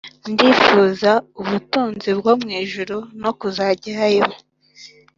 Ndifuza ubutunzi bwo mu ijuru no kuzagerayo